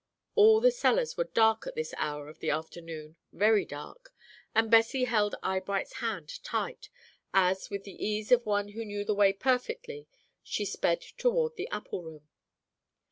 All the cellars were dark at this hour of the afternoon, very dark, and Bessie held Eyebright's hand tight, as, with the ease of one who knew the way perfectly, she sped toward the apple room.